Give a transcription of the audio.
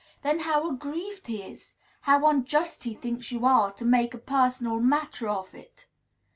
then how aggrieved he is! how unjust he thinks you are to "make a personal matter of it"!